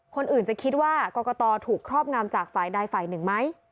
คนอื่นจะคิดว่ากรกตถูกครอบงามจากฝ่ายใดฝ่ายหนึ่งไหม